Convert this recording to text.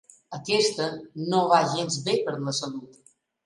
Aquesta no va gens bé per a la salut.